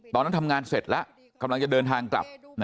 ตอนนั้นทำงานเสร็จแล้วกำลังจะเดินทางกลับ